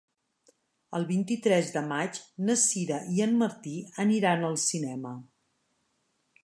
El vint-i-tres de maig na Sira i en Martí aniran al cinema.